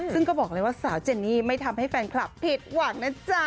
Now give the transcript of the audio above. ซึ่งก็บอกเลยว่าสาวเจนนี่ไม่ทำให้แฟนคลับผิดหวังนะจ๊ะ